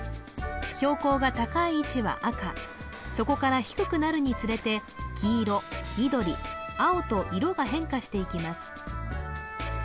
標高が高い位置は赤そこから低くなるにつれて黄色緑青と色が変化していきます